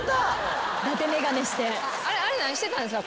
あれ何してたんすか？